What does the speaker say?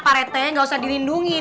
pak rete nggak usah dilindungi